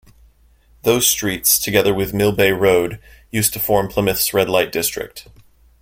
Those streets together with Millbay Road used to form Plymouth's red light district.